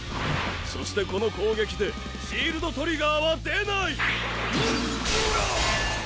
そしてこの攻撃でシールドトリガーは出ない！